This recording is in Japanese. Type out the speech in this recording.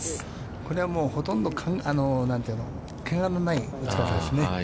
これはもうほとんど、けがのない打ち方ですね。